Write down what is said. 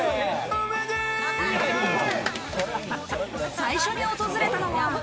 最初に訪れたのは。